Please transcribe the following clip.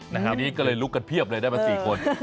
ทีนี้ก็เลยลุกกันเพียบเลยได้มา๔คน